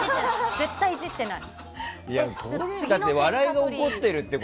絶対イジってない。